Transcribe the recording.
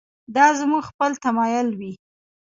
دا زموږ خپل تمایل وي.